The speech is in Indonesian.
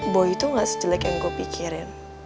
boy tuh nggak sejelek yang gue pikirin